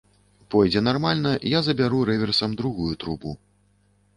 Пойдзе нармальна, я забяру рэверсам другую трубу.